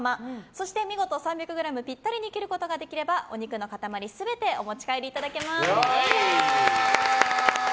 そして見事３００ｇぴったりに切ることができればお肉の塊全てお持ち帰りいただけます。